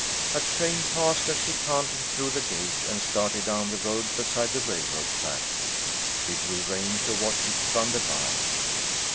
A train passed as she cantered through the gate and started down the road beside the railroad track. She drew rein to watch it thunder by.